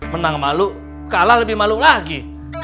menang malu kalah lebih malu lagi